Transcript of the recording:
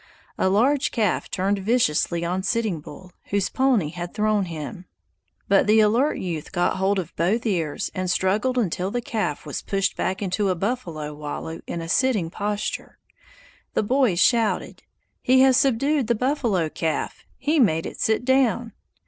A large calf turned viciously on Sitting Bull, whose pony had thrown him, but the alert youth got hold of both ears and struggled until the calf was pushed back into a buffalo wallow in a sitting posture. The boys shouted: "He has subdued the buffalo calf! He made it sit down!"